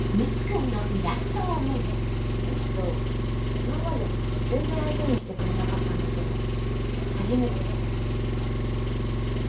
あの人今まで全然相手にしてくれなかったんだけど初めて私に。